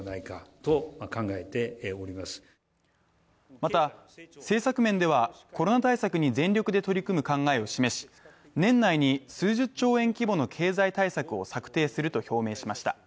また政策面ではコロナ対策に全力で取り組む考えを示し年内に数十兆円規模の経済対策を策定すると表明しました。